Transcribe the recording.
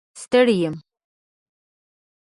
ستړی یم